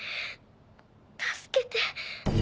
助けて。